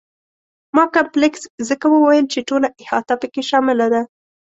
ما کمپلکس ځکه وویل چې ټوله احاطه په کې شامله ده.